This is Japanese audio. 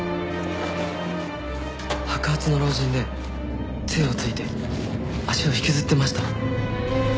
白髪の老人で杖をついて足を引きずってました。